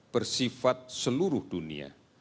bersifat seluruh dunia